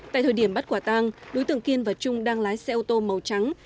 tại thời điểm bắt quả tang đối tượng kiên và trung đang lái xe ô tô màu trắng